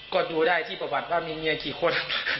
ก็ดูได้ที่ประวัติว่ามีเมียกี่คน